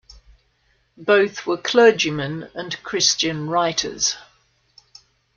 Both were clergymen and Christian writers.